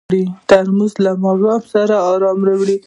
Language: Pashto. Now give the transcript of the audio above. ترموز له ماښام سره ارامي راوړي.